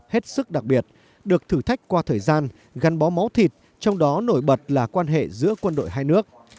hết sức đặc biệt được thử thách qua thời gian gắn bó máu thịt trong đó nổi bật là quan hệ giữa quân đội hai nước